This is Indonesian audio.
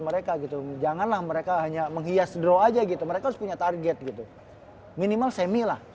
mereka gitu janganlah mereka hanya menghias draw aja gitu mereka harus punya target gitu minimal semi lah